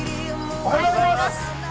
おはようございます。